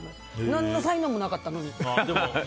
何の才能もなかったのに。